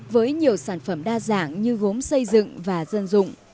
với nhiều sản phẩm đa dạng như gốm xây dựng và dân dụng